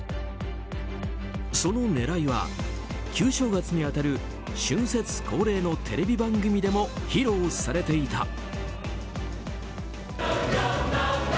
その狙いは、旧正月に当たる春節恒例のテレビ番組でも披露されていた。